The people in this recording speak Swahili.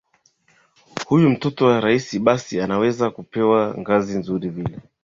huyu mtoto wa rais basi anaweza kupewa ngazi nzuri vile